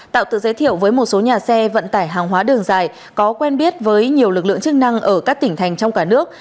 tạo tự giới thiệu với một số nhà xe vận tải hàng hóa đường dài có quen biết với nhiều lực lượng chức năng ở các tỉnh thành trong cả nước